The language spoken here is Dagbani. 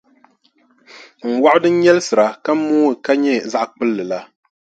N wɔɣu din nyɛlisira ka mooi ka nyɛ zaɣʼ kpulli la.